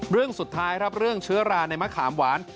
เรื่องสุดท้ายครับเรื่องเชื้อราในมะขามหวาน